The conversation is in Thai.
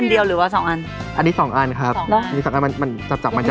ดึงอะไรหรอนี่ไงมันติดไงไม่น่าบอกเลยอ่ะ